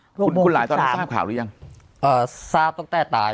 หกโมงสิบสามคุณหลายตอนนั้นทราบข่าวหรือยังอ่าทราบต้องแต้ตาย